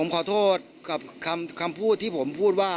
ขอโทษกับคำพูดที่ผมพูดว่า